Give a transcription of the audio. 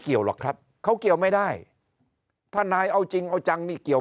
หรอกครับเขาเกี่ยวไม่ได้ถ้านายเอาจริงเอาจังนี่เกี่ยว